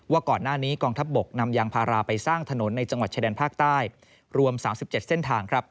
ก่อนหน้านี้กองทัพบกนำยางพาราไปสร้างถนนในจังหวัดชายแดนภาคใต้รวม๓๗เส้นทาง